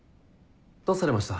どうされました？